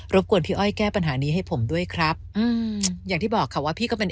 กวนพี่อ้อยแก้ปัญหานี้ให้ผมด้วยครับอืมอย่างที่บอกค่ะว่าพี่ก็เป็น